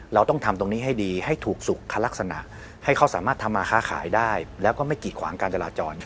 เราต้องทำตรงนี้ให้ดีให้ถูกสุขลักษณะให้เขาสามารถทำมาค้าขายได้แล้วก็ไม่กีดขวางการจราจร